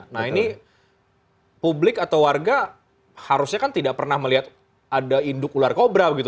nah ini publik atau warga harusnya kan tidak pernah melihat ada induk ular kobra begitu